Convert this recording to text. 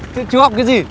thế chú học cái gì